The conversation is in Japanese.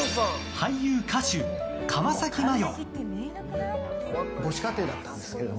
俳優・歌手、川崎麻世。